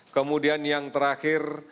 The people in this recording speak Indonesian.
kemudian yang terakhir